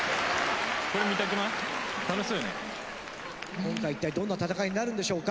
今回一体どんな戦いになるんでしょうか。